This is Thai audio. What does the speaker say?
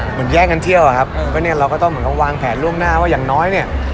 แย่งกันเที่ยวอะครับก็เนี่ยเราก็ต้องเหมือนกับวางแผนล่วงหน้าว่าอย่างน้อยเนี่ย